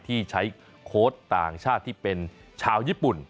ที่ใช้โค้ชต่างชาติที่เป็นชาวญี่ปุ่น